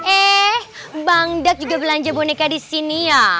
eh bang dak juga belanja boneka di sini ya